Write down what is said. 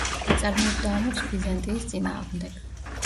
აწარმოებდა ომებს ბიზანტიის წინააღმდეგ.